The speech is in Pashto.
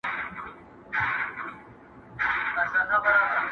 نو پيدا يې كړه پيشو توره چالاكه.!